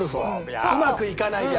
うまくいかないから。